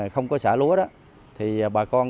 không có xã lúa đó thì bà con